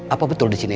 apa betul di sini